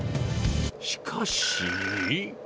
しかし。